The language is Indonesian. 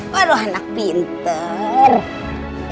waduh anak pinter